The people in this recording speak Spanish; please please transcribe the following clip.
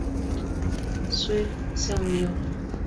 Swift se hundió.